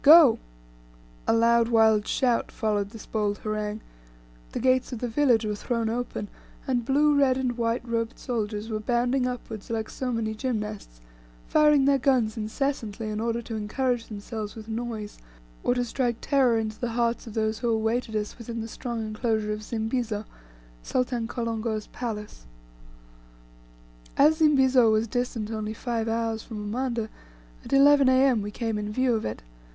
Go!" A loud, wild shout followed this bold harangue, the gates of the village were thrown open, and blue, red, and white robed soldiers were bounding upward like so many gymnasts; firing their guns incessantly, in order to encourage themselves with noise, or to strike terror into the hearts of those who awaited us within the strong enclosure of Zimbizo, Sultan Kolongo's place. As Zimbizo was distant only five hours from Umanda, at 11 A.M. we came in view of it.